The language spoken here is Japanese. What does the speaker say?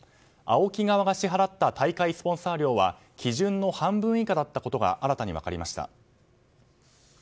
ＡＯＫＩ側が支払った大会スポンサー料は基準の半分以下だったことが新たに分かりました。